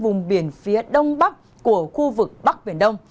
vùng biển phía đông bắc của khu vực bắc biển đông